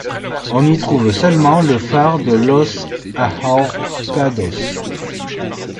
On y trouve seulement le phare de Los Ahorcados.